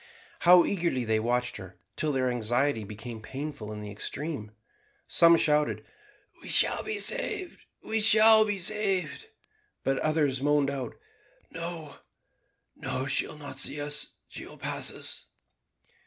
How eagerly they watched her, till their anxiety became painful in the extreme. Some shouted, "We shall be saved, we shall be saved;" but others moaned out, "No, no, she'll not see us, she will pass us."